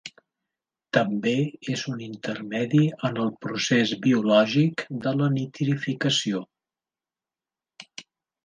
També és un intermedi en el procés biològic de la nitrificació.